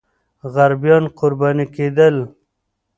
غریبان قرباني کېدل.